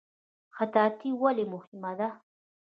خطاطي ولې مهمه ده؟